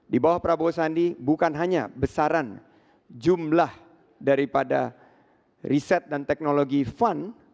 di bawah prabowo sandi bukan hanya besaran jumlah daripada riset dan teknologi fun